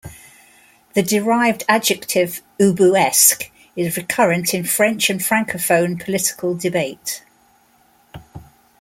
The derived adjective "ubuesque" is recurrent in French and francophone political debate.